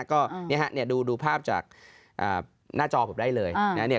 ก็เนี่ยฮะดูภาพจากหน้าจอผมได้เลยนะ